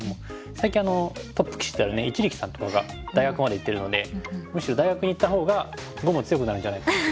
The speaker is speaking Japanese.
最近トップ棋士である一力さんとかが大学まで行ってるのでむしろ大学に行ったほうが碁も強くなるんじゃないかなと。